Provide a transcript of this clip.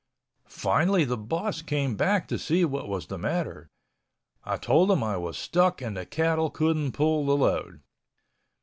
Finally the boss came back to see what was the matter. I told him I was stuck and the cattle couldn't pull the load.